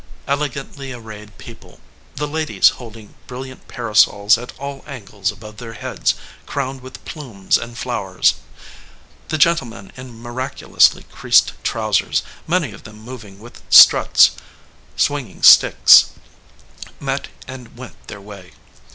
Elegantly arrayed people the ladies holding brilliant para sols at all angles above their heads crowned with plumes and flowers ; the gentlemen in miraculously creased trousers, many of them moving with struts, swinging sticks met and went their way.